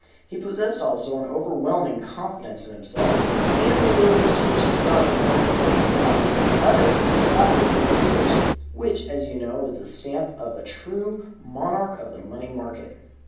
He possessed also an overwhelming confidence in himself, and the ability to switch a cigar from one corner of his mouth to the other without wiggling his ears, which, as you know, is the stamp of the true Monarch of the Money Market.